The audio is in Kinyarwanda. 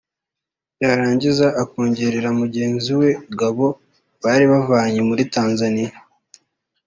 yarangiza akongorera mugenzi we Gabo bari bavanye muri Tanzania